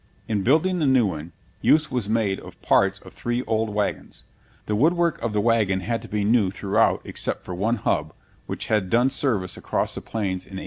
In building the new one, use was made of parts of three old wagons. The woodwork of the wagon had to be new throughout except for one hub, which had done service across the Plains in 1853.